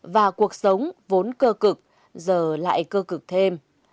và cuộc sống vốn cơ cực giờ lại cơ cực thêm